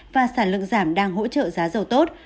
và sản lượng giảm đang hỗ trợ giá dầu tốt